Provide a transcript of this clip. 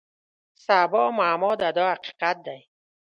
سبا معما ده دا حقیقت دی.